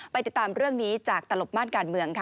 ติดตามเรื่องนี้จากตลบม่านการเมืองค่ะ